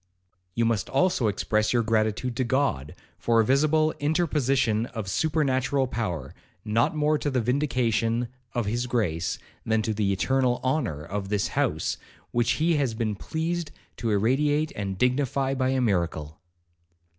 'You must also express your gratitude to God, for a visible interposition of supernatural power, not more to the vindication of his grace, than to the eternal honour of this house, which he has been pleased to irradiate and dignify by a miracle.'